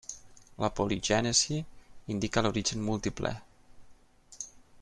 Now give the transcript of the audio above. La poligènesi indica l'origen múltiple.